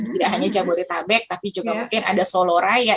tidak hanya jabodetabek tapi juga mungkin ada soloraya